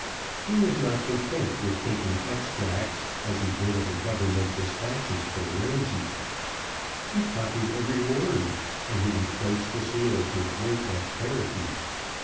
He was not content with taking extracts, as he did of the government despatches for Ramsay; he copied every word, and he replaced the seals with great dexterity.